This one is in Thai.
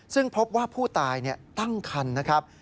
ซึ่งพบว่าผู้ตายตั้งคันนะครับ